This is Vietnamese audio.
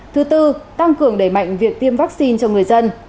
thứ tư tăng cường đẩy mạnh việc tiêm vaccine cho người dân